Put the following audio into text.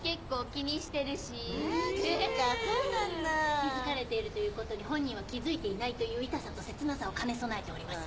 ・気付かれているということに本人は気付いていないという痛さと切なさを兼ね備えております。